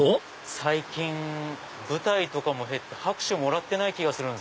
最近舞台とかも減って拍手もらってない気がする。